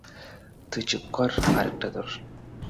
তুই চুপ কর আর এটা ধর।